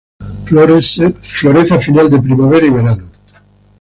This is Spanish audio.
Florece a final de primavera y verano.